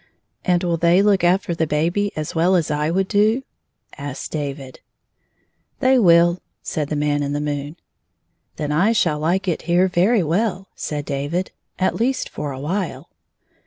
"And will they look after the baby as well as I would do ?" asked David. " They will," said the Man in the moon. " Then I shall like it here very well," said David, " at least for a while."